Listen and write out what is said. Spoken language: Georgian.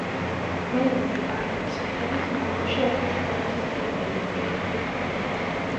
მენენგი ფართობის მიხედვით ნაურუში ერთ-ერთი ყველაზე დიდი რაიონია.